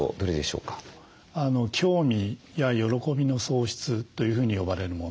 興味や喜びの喪失というふうに呼ばれるもの。